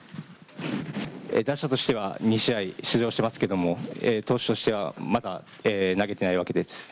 打者としては２試合出場しますけれども、投手としては、まだ投げてないわけです。